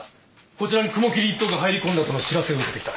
こちらに雲霧一党が入り込んだとの知らせを受けて来た。